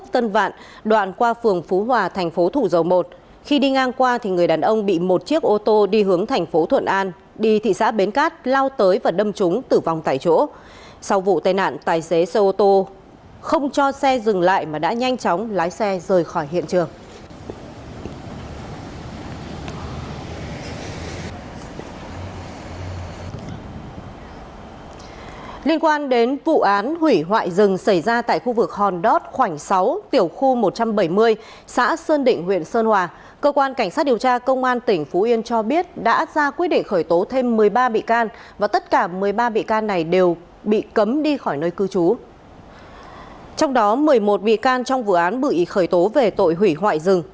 trong đó một mươi một bị can trong vụ án bự ý khởi tố về tội hủy hoại rừng